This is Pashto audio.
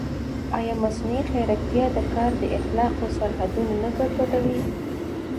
ایا مصنوعي ځیرکتیا د کار د اخلاقو سرحدونه نه ګډوډوي؟